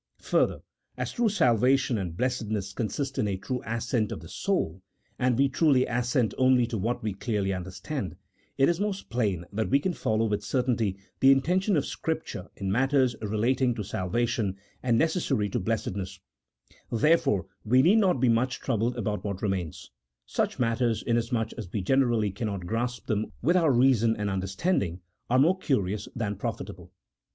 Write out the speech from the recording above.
Further, as true salvation and blessedness consist in a true assent of the soul — and we truly assent only to what we clearly understand — it is most plain that we can follow with certainty the intention of Scripture in matters relating to salvation and necessary to blessedness ; there fore, we need not be much troubled about what remains : such matters, inasmuch as we generally cannot grasp them with our reason and understanding, are more curious than profitable.